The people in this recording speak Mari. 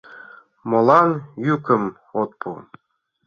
Молан йӱкым от пу?